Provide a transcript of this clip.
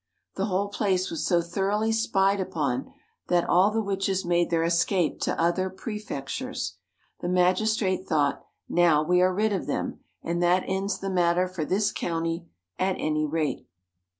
The whole place was so thoroughly spied upon that all the witches made their escape to other prefectures. The magistrate thought, "Now we are rid of them, and that ends the matter for this county at any rate."